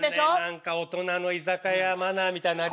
何か大人の居酒屋マナーみたいなの。